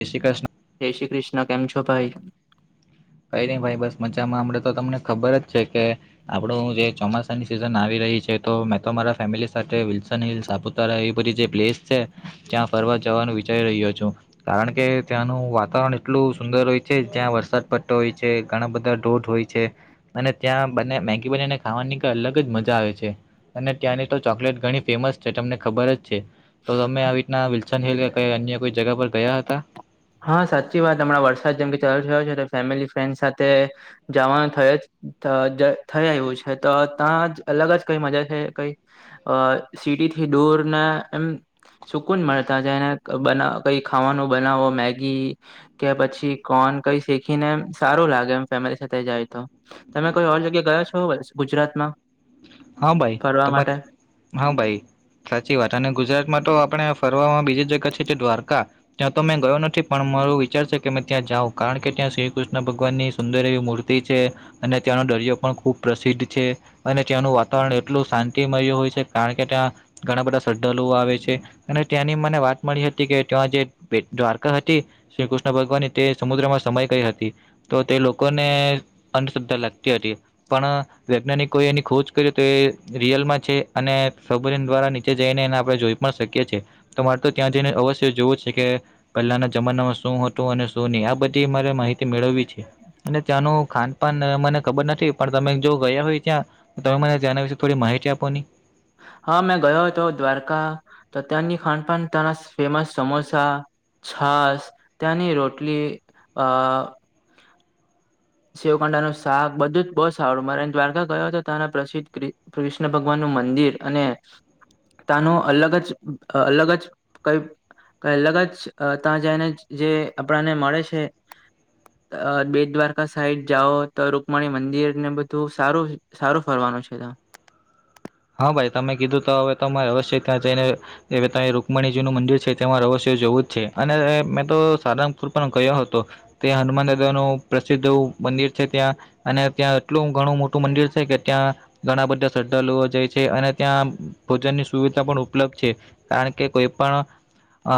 જય શ્રી કૃષ્ણ. જય શ્રી કૃષ્ણ કેમ છો ભાઈ કઈ નહી ભાઈ બસ મજામાં હમણાં તો તમને ખબર જ છે કે આપણે જે ચોમાસાની સિઝન આવી રહી છે તો મેં તો મારા ફેમિલી સાથે વિલ્સન હિલ્સ એ બધી જે પ્લેસ છે ત્યાં ફરવા જવાનું વિચારી રહ્યો છું કારણ કે ત્યાંનું વાતાવરણ એટલું સુંદર હોય છે જ્યાં વરસાદ હોય છે ઘણા બધા ડોઢ હોય છે અને ત્યાં બને મેગી બનીને ખાવાની ક‌ઇક અલગ જ મજા આવે છે અને ત્યાંની તો ચોકલેટ ઘણી ફેમસ છે, તમને ખબર જ છે. તો તમે આવી રીતના વિલ્સન હિલ્સ કે અન્ય કોઈ જગ્યા પર ગયા હતા? હા, સાચી વાત. હમણાં વરસાદ જેમ કે ચાલુ થયો છે, તો ફેમિલી, ફ્રેન્ડ સાથે જવાનું થયો જ. થયા છે, તો ત્યાં અલગ જ કંઈ મજા છે, કંઈ અ સિટીથી દૂરને એમ. સુકુન મળતા જ, એને બનાવો. કઈ ખાવાનું બનાવો, મેગી કે પછી‌ કોર્ન કઈ શેકીને, એમ સારું લાગે, એમ ફેમિલી સાથે જાય, તો તમે કોઈ ઓર જગ્યા ગયા છો, ગુજરાતમાં? હા ભાઈ, ફરવા માટે તમારે. હા ભાઈ. સાચી વાત, અને ગુજરાતમાં તો આપણે ફરવામાં બીજી જગ્યા છે, દ્વારકા. ત્યાં તો મેં ગયો નથી, પણ મારો વિચાર છે કે મેં ત્યાં જાઉં, કારણ કે ત્યાં શ્રી કૃષ્ણ ભગવાનની સુંદર એવી મૂર્તિ અને ત્યાંનો દરિયો પણ ખુબ પ્રસિદ્ધ છે અને ત્યાંનું વાત એટલું શાંતિ મળ્યું હોય છે, કારણ કે ત્યાં ઘણા બધા શ્રદ્ધાળુઓ આવે છે. અને ત્યાંની મને વાત મળી હતી કે, ત્યા જે બેટ દ્વારકા હતી. શ્રી કૃષ્ણ ભગવાન તે સમુદ્રમાં સમાય ગઈ હતી. તો તે લોકોને અંધશ્રદ્ધા લાગતી હતી, પણ વૈજ્ઞાનિકો એની ખોજ કરીએ તો એ રિયલમાં છે, અને સબરીન દ્વારા નીચે જઈને એને આપણે જોઈ પણ શકીએ છીએ. તો મારે તો ત્યાં જઈને અવશ્ય જોવું છે કે પહેલાના જમાનામાં શું હતું, અને શું નહીં, આ બધી મારે માહિતી મેળવવી છે. અને ત્યાંનું ખાનપાન મને ખબર નથી, પણ તમે જો ગયા હોય ત્યાં તમે મને એના વિશે થોડી માહિતી આપો ની. હા, મેં ગયો હતો દ્વારકા. તો ત્યાંની ખાનપાન, ત્યાંના ફેમસ સમોસા. છાસ, ત્યાંની રોટલી અઅ સેવકાડા નું શાક, બધું જ બહુ સારું. મારે દ્વારકા ગયો હતો, ત્યાંના પ્રસિદ્ધ. કૃષ્ણ ભગવાન નું મંદિર અને તાનો અલગ જ, અલગ જ કંઈ. અલગ જ ત્યાં જઈને જે આપણાને મળે છે. અ બેડ દ્વારકા. આ સાઈડ જાઓ તો, રુકમાણી મંદિર ને બધું સારું સારું ફરવાનું છે‌. હા ભાઈ, તમે કીધું તો હવે તો મારે રે, અવશ્ય ત્યાં જઈને હવે ત્યાં રુકમણીજી નું મંદિર છે, તેમાં અવશ્ય જવું જ છે. અને મેં તો સારંગપુર પણ ગયો હતો. ત્યાં હનુમાન દાદા નું પ્રસિદ્ધ મંદિર છે, ત્યાં અને ત્યાં એટલું ઘણું મોટું મંદિર છે કે ત્યાં ઘણા બધા શ્રદ્ધાળુઓ જાય છે અને ત્યાં ભોજનની સુવિધા પણ ઉપલબ્ધ છે કારણ કે કોઈ પણ અ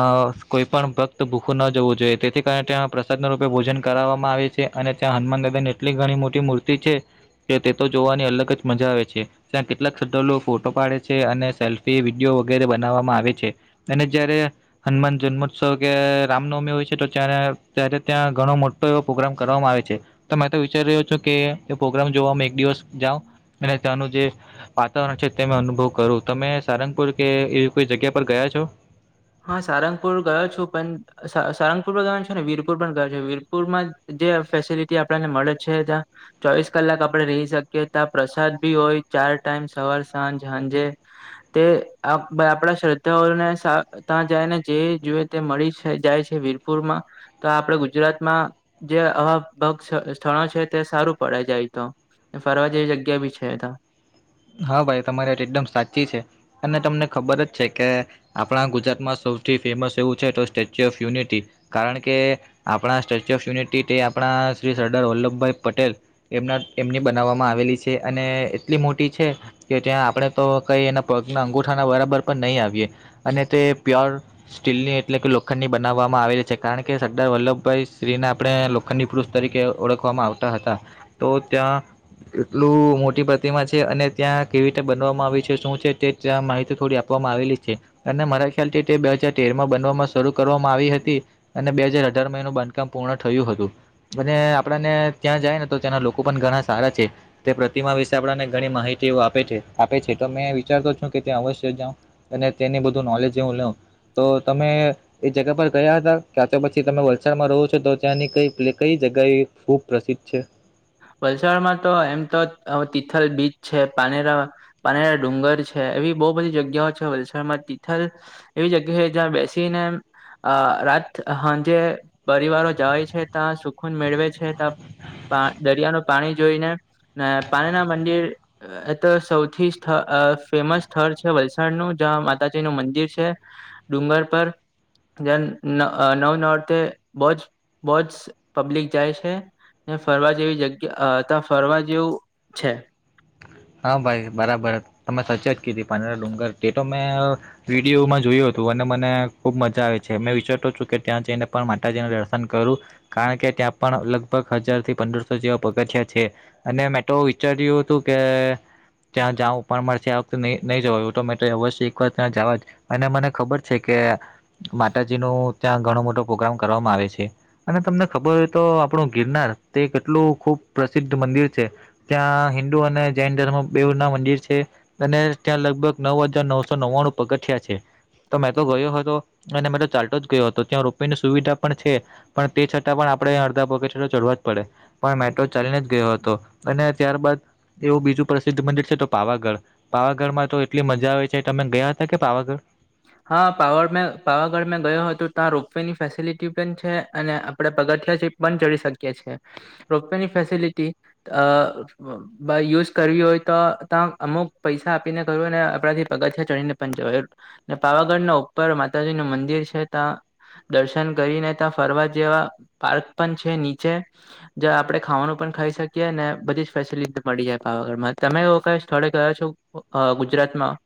કોઈ પણ ભક્ત ભૂખું ન જવું જોઈએ તેથી કારણે તે પ્રસાદ ના રૂપે ભોજન કરવામાં આવે છે. અને ત્યાં હનુમાન દાદા ની એટલી ઘણી મોટી મૂર્તિ છે. કે તે તો જોવાની અલગ જ મજા આવે છે ત્યાં કેટલાક ફોટો પાડે છે અને સેલ્ફી વિડીયો વગેરે બનાવવામાં આવે છે અને જયારે હનુમાન જન્મ સ કે રામનવમી હોય છે તો ત્યારે ત્યાં ઘણો મોટો એવો પ્રોગ્રામ કરવામાં આવે છે. તો વિચારી રહ્યો છો કે પોગ્રામ જોવામાં એક દિવસ જાવ અને ત્યાંનું જે વાતાવરણ છે તે મે અનુભવ કરું તમે સારંગપુર કે એવી કોઈ જગ્યા પર ગયા છો? હા સારંગપુર ગયો છું પણ સારંગપુર પણ ગયો છે ને વીરપુર પણ ગયો છે વીરપુરમાં જે ફેસિલિટી આપણને મળે છે ત્યાં ચોવીસ કલાક આપણે રહી શકીએ ત્યા પ્રસાદ ભી હોય ચાર ટાઈમ સવાર સાંજ સાંજે તે આપણા શ્રદ્ધાઓને સા ત્યાં જાય ને જે જોએ તે મળી જાય છે વીરપુરમાં તો આપડે ગુજરાતમાં જે હવા સ્થ સ્થળો છે તે સારું ભરાઈ જાય તો ફરવા જેવી જગ્યા બી છે એ તો હા ભાઈ તમારે એકદમ સાચી છે અને તમને ખબર જ છે કે આપણા ગુજરાતમાં સૌથી ફેમસ એવું છે તો સ્ટેચ્યુ ઓફ યુનિટી કારણ કે આપણા સ્ટેચ્યુ ઓફ યુનિટી તે આપણા શ્રી સરદાર વલ્લભભાઈ પટેલ એમના એમની બનાવવામાં આવેલી છે અને એટલી મોટી ની છે કે જ્યાં ત્યાં આપણે તો કઈ એના પગના અંગુઠાના બરાબર પણ નહીં આવીએ. અને તે પ્યોર સ્ટીલની એટલે કે લોખંડની બનાવવામાં આવેલી છે કારણ કે સરદાર વલ્લભભાઈ શ્રીને આપણે લો ખંડી પુરુષ તરીકે ઓળખવામાં આવતા હતા તો ત્યાં એટલું મોટી પ્રતિમા જ છે અને ત્યાં કેવી રીતે બનાવવામાં આવી છે શું છે તે ત્યાં માહિતી થોડી આપવામાં આવેલી છે. અને મારા ખ્યાલથી તે બે હાજાર તેર માં બનવામાં શરૂ કરવામાં આવી હતી. અને બે હાજાર અઢાર માં એનું બાંધકામ પૂર્ણ થયું હતું. મને આપણને ત્યાં જાય ને તો ત્યાંના લોકો પણ ઘણા સારા છે તે પ્રતિમા વિશે આપણને ઘણી માહિતીઓ આપે છે આપે છે તો મેં વિચારતો છું કે ત્યાં અવશ્ય જા અને તેની બધું નોલેજ હું લઉં તો તમે એ જગ્યા પર ગયા હતા ક્યા તો પછી તમે વલસાડમાં રહો છો તો ત્યાંની કઈ કઈ જગ્યા એ ખૂબ પ્રસિદ્ધ છે. વલસાડમાં તો એમ તો તિથલ બીચ છે પાનેરા પાનેરા ડુંગર છે એવી બહુ બધી જગ્યાઓ છે વલસાડમાં તિથલ એવી જગ્યાએ જ્યાં બેસીને અ રાત સાંજે પરિવારો જાય છે ત્યા સુકુન મેળવે છે ત્યાં દરિયાના પાણી જોઈને પાણીના મંદિર એ તો સૌથી સ્થ ફેમસ સ્થળ છે વલસાડનું જ્યાં માતાજીનું મંદિર છે. ડુંગર પર જ્યાં નવ નવ નોરતે બોજ બોજ પબ્લિક જાય છે ફરવા જેવી જગ્યા ત્યાં ફરવા જેવું છે હા ભાઈ બરાબર તમે સાચેજ કીધી પાંનેરા ડુંગર તે તો મેં અ વિડીયોમાં જોયું હતું અને મને ખુબ મજા આવે છે મેં વિચારતો છું કે ત્યાં જઈને પણ માતાજીને દર્શન કરું. કારણ કે ત્યાં પણ લગભગ હજારથી પંદરસો જેવા પગથીયા છે. અને મેં તો વિચાર્યું હતું કે ત્યાં જાઉં પણ મારે વખતે નહી જવા ઓટોમેટ અવશ્ય એક વાર ત્યાં જવા જ અને મને ખબર છે કે માતાજીનો ત્યાં ઘણો મોટો પ્રોગ્રામ કરવામાં આવે છે. અને તમને ખબર હોય તો આપણું ગિરનાર તે કેટલું ખુબ પ્રસિદ્ધ મંદિર છે. ત્યાં હિન્દુ અને જૈન ધર્મ બેવ ના મંદિર છે અને ત્યાં લગભગ નવ હજાર નવસો નવ્વાણું પગથયા છે. તો મેં તો ગયો હતો અને મેં તો ચાલતો જ ગયો હતો, ત્યાં રોપવેની સુવિધા પણ છે. પણ તે છતાં પણ આપણે અડધા પગ ચડવા જ પડે. પણ મેટ્રો ચાલીને જ ગયો હતો અને ત્યારબાદ એવું બીજું પ્રસિદ્ધ મંદિર છે તો પાવાગઢ પાવાગઢમાં તો એટલી મજા આવે છે, તમે ગયા હતા કે પાવાગઢ? હા, મે પાવાગઢ મેં ગયો હતો ત્યાં રોપ વે ની ફેસિલિટી પણ છે અને આપણે પગથિયા છી પણ ચડી શકીએ છીએ રોપવેની ફેસિલિટી બાય યુઝ કરવી હોય તો ત અમુક પૈસા આપીને કરું ને આપણાથી પગથિયાં ચડીને પણ જવાય પાવાગઢના ઉપર માતાજીનું મંદિર છે, ત્યાં દર્શન કરીને ત્યાં ફરવા જેવું પાર્ક પણ છે નીચે. જો આપણે ખાવાનું પણ ખાઈ શકીએ ને બધી જ ફેસિલિટી મળી જાય પાવાગઢમાં તમે એવો ક સ્થળે ગયો છો? ગુજરાતમાં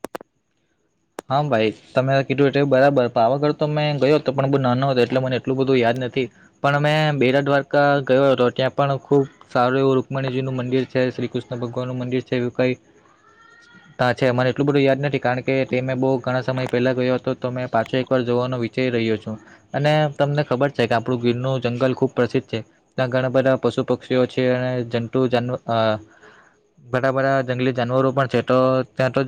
હા, ભાઈ તમે કીધું બરાબર પણ આ વગળ તો મેં ગયો હતો પણ બો નાનો હતો એટલે મને એટલું બધું યાદ નથી. પણ અમે બે વાર દ્વારકા ગયો હતો ત્યાં પણ ખુબ સારું એવું રુકમણીજીનું મંદિર છે, શ્રી કૃષ્ણ ભગવાનનું મંદિર છે એવું કઈ તા છે મને એટલું બધું યાદ નથી કારણ કે તે મેં બહુ ઘણા સમય પહેલાં ગયો હતો, તો મેં પાછો એકવાર જોવાનો વિચારી રહ્યો છું. અને તમને ખબર છે કે આપણું ગીરનું જંગલ ખુબ પ્રસિદ્ધ છે. ત્યાં ઘણા બધા પશુ પક્ષીઓ છે, અને જંતુ, જાનવર બધા જંગલી જાનવરો પણ છે તો ત્યાં તો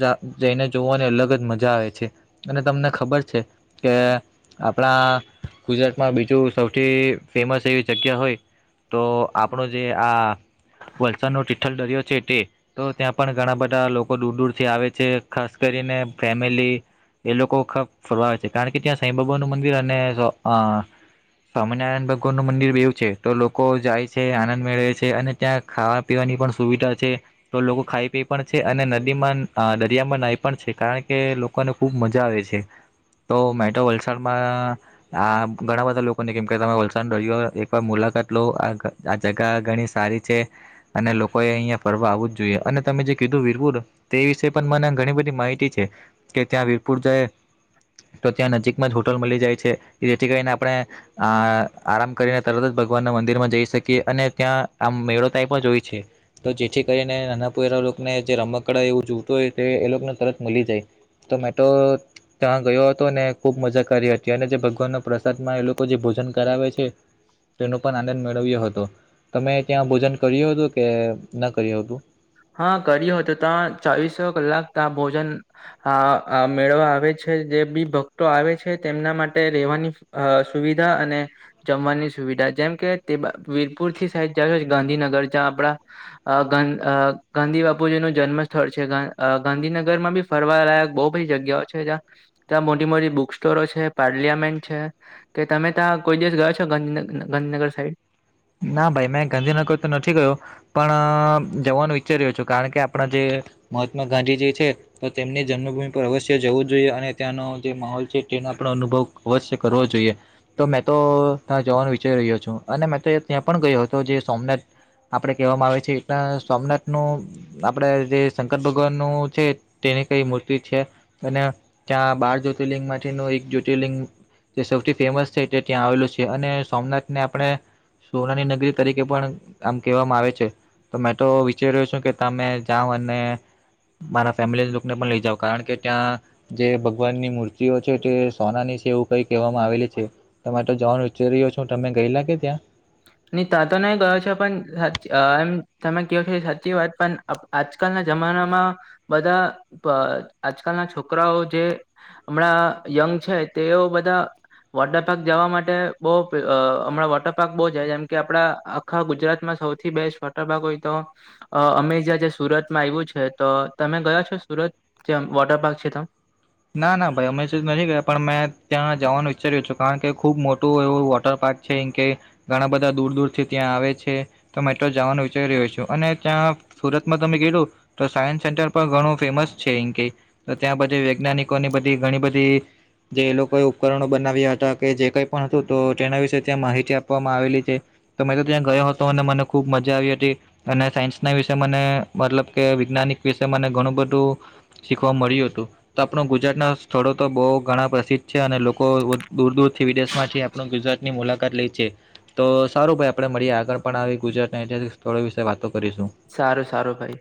જઈને જોવાની અલગ જ મજા આવે છે અને તમને ખબર છે કે આપણા ગુજરાતમાં બીજું સૌથી ફેમસ એવી જગ્યા હોય તો આપણો જે આ વલસાડનો ટિઠ્ઠલ દરિયો છે તે તો ત્યાં પણ ઘણા બધા લોકો દૂર દૂરથી આવે છે ખાસ કરીને ફેમિલી એ લોકો ખરા ફરવાવે છે કારણ કે ત્યાં સાંઈબબાનુંું મંદિર અને સ્વામિનારાયણ ભગવાન નું મંદિર એવું છે તો લોકો જાય છે આનંદ મેળવે છે અને ત્યાં ખાવા પીવાની પણ સુવિધા છે તો લોકો ખાઈ પી પણ છે અને નદીમાં દરિયામાં નાહી પણ છે કારણ કે લોકોને ખુબ મજા આવે છે તો મેટો વલસાડમાં આ ઘણા બધા લોકોને કેમ કે તમે વલસાડ ડળ્યો એકવાર મુલાકાત લો આ આ જગા ઘણી સારી છે અને લોકો એ અહિયાં ફરવા આવવ જ જોઈએ અને તમે જે કીધું વીરપુર તે વિશે પણ મને ઘણી બધી માહિતી છે કે ત્યાં વીરપુર જાય તો ત્યાં નજીકમાં જ હોટલ મળી જાય છે જેથી કરીને આપણે આ આરામ કરીને તરત જ ભગવાનના મંદિર માં જઈ શકીએ અને ત્યાં આમ મેળો ટાઈપ જો હોય છે તો જેથી કરીને નાના પુ એરા લોકોને જે રમકડા એવું જોવતું હોય તે એ લોકોને તરત મળી જાય તો મેટ્રો ત્યાં ગયો હતો ને ખૂબ મજા કરી હતી અને જે ભગવાનનો પ્રસાદ માં એ લોકો જે ભોજન કરાવે છે તેનો પણ આનંદ મેળવ્યો હતો તમે ત્યાં ભોજન કર્યું હતું કે ન કર્યું હતું હા કરી્યો તો ત્યા ચાવીસો કલાક ત ભોજન હા મેળવા આવે છે જે બી ભક્તો આવે છે તેમના માટે રેવાની અ સુવિધા અને જમવાની સુવિધા જેમ કે તે વીરપુર થી સાઈબ જાશો ગાંધીનગર જ્યાં આપડા અ ગ અ ગાંધી બાપુજી નું જન્મ સ્થળ છે ગાંધીનગર માં બી ફરવાલાાયક બહુ બધી જગ્યાઓ છે જ્યાં ત્યાં મોટી મોટી બુક સ્ટોરો છે પાર્લિયામેન્ટ છે કે તમે ત્યાં કોઈ દિવસ ગયો છો ગાંધીન ગાંધીનગર સાઈડ ના ભાઈ મેં ગાંધીનગર તો નથી ગયો પણ જવાનું વિઈચ્ચાર રહ્યો છું કારણ કે આપણા જે મહાત્મા ગાંધી જે છે તો તેમની જન્મભૂમિ પર અવશ્ય જવું જોઈએ અને ત્યાંનો જે માહોલ છે તેનો પણ અનુભવ અવશ્ય કરવો જોઈએ તો મેં તો ત્યાં જવાનું વિચારી રહ્યો છું અને મેં તો ત્યાં પણ ગયો હતો જે સોમનાથ આપડે કહેવામાં આવે છે એટલા સોમનાથ નું આપડે જે શંકર ભગવાન નું છે તેની કઈ મૂર્તિ છે અને ત્યાં બાર જ્યોતિર્લિંગ માટે ન એક જ્યોતિર્લિંગ. જે સૌથી ફેમસ છે તે ત્યાં આવેલું છે અને સોમનાથને આપણે. સોનાની નગરી તરીકે પણ આમ કહેવામાં આવે છે. તો મેં તો વિચાર્યો છું કે તમે જાઓ અને. મારા ફેમિલી લુકને પણ લઈ જાાવ કારણ કે ત્યાં. જે ભગવાન ની મૂર્તિઓ છે તે સોનાની છે એવું કઈ કહેવામાં આવેલી છે. તમારે તો જવાનું ઉચ્ચર રહ્યો છો તમે ગય લાગે ત્યાં. નહી તં તો નઈ ગયો છે પણ સા એમ તમે કહો છો સાચી વાત પણ. આજકાલના જમાનામાં બધા આજકાલના છોકરાઓ જે. હમણાં યંગ છે તેઓ બધા. વોટર પાર્ક જવા માટે બહુ હમણાં વોટર પાર્ક બહુ. જેમ કે આપડા આખા ગુજરાતમાં સૌથી બેસ્ટ વોટર પાર્ક હોય તો. અ અમે જ્યાં જ્યા સુરતમાં આવ્યું છે તો તમે ગયા છો સુરત જે વોટર પાર્ક છે ત. ના ના ભાઈ અમે તો નથી ગયા પણ મેં ત્યાં જવાનું વિઈચ્ચાર્યો છું કારણ કે ખુબ મોટું એવું વોટર પાર્ક. છે કે ઘણા બધા દૂર દૂરથી. ત્યાં આવે છે તો મેટ્રો જવાનું વિચારી રહ્યો છું અને ત્યાં સુરતમાં તમે ગલું. તો સાયન્સ સેન્ટર પણ ઘણું ફેમસ છે એ કે ત્યાં બધ. વૈજ્ઞાનિકોની બધી ઘણી બધી. જે એ લોકોએ ઉપકરણો બનાવ્યા હતા કે જે કઈ પણ હતું તો તેના વિશે ત્યાં માહિતી આપવામાં આવેલી છે. તો મેં તો ત્યાં ગયો હતો અને મને ખુબ મજા આવી હતી. અને સાયન્સ ના વિશે મને મતલબ કે વૈજ્ઞાનિક વિશે મને ઘણું બધું. શીખવા મળ્યું હતું. તો આપણું ગુજરાતના સ્થળો તો બહુ ઘણા પ્રસિદ્ધ છે અને લોકો દૂર દૂર. થી વિદેશ માંથી આપણ ગુજરાતની મુલાકાત લઈ છે. તો સારું ભાઈ આપણે મળીએ આગળ પણ આવી ગુજરાતના ઐતિહાસિક સ્થળો વિશે વાતો કરીશું. સારું સારું ભાઈ.